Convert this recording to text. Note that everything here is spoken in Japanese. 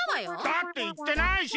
だっていってないし。